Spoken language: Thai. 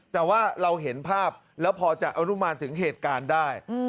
แต่ว่าเราเห็นภาพแล้วพอจะอนุมานถึงเหตุการณ์ได้